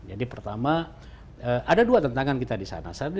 pertama ada dua tantangan kita di sana